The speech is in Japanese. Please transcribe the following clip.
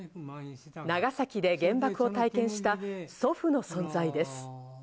長崎で現場を体験した祖父の存在です。